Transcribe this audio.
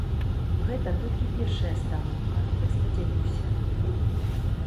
Гэта толькі першая старонка, я спадзяюся.